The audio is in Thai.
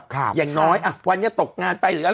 อย่างน้อยอ่ะวันนี้ตกงานไปหรืออะไร